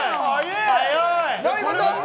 どういうこと？